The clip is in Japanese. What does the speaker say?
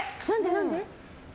何で？